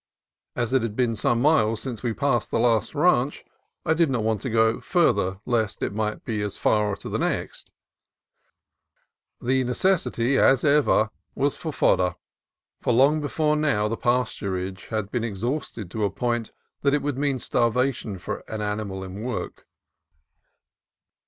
As it had been some miles since we passed the last ranch, I did not want to go farther lest it might be as far on to the next. The necessity, as ever, was for fodder, for long before now the pasturage had been exhausted to a point that would mean starvation for an animal in work.